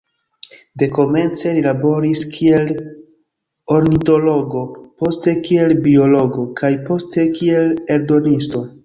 Dekomence li laboris kiel ornitologo, poste kiel biologo, kaj poste kiel eldonisto.